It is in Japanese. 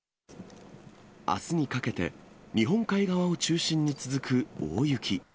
あすにかけて、日本海側を中心に続く大雪。